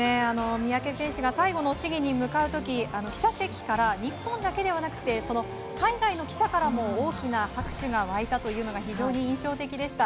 三宅選手が最後の試技に向かう時、記者席から日本だけではなくて海外の記者からも大きな拍手が沸いたというのが非常に印象的でした。